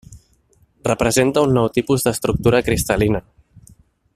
Representa un nou tipus d'estructura cristal·lina.